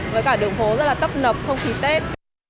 với cả đường phố rất là tấp nập không khí tết